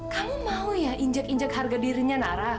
kamu mau ya injak injak harga dirinya nara